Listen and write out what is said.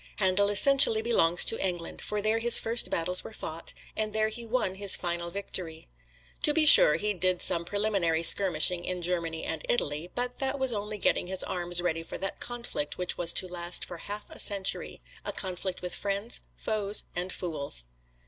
Handel essentially belongs to England, for there his first battles were fought, and there he won his final victory. To be sure, he did some preliminary skirmishing in Germany and Italy; but that was only getting his arms ready for that conflict which was to last for half a century a conflict with friends, foes and fools.